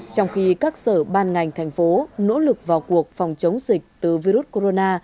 trong khi các sở ban ngành thành phố nỗ lực vào cuộc phòng chống dịch từ virus corona